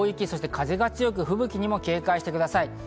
そして風が強く吹雪にも警戒してください。